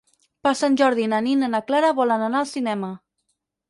Per Sant Jordi na Nina i na Clara volen anar al cinema.